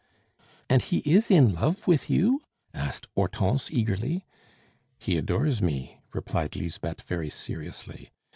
"And he is in love with you?" asked Hortense eagerly. "He adores me," replied Lisbeth very seriously.